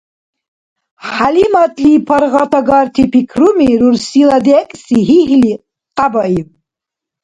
ХӀялиматла паргъатагарти пикруми рурсила декӀси гьигьли къябаиб.